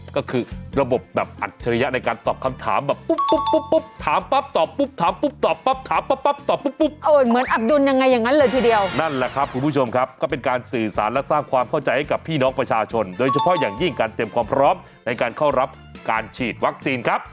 ก็คือระบบแบบอัตเฉยะในการตอบคำถามแบบปุ๊บ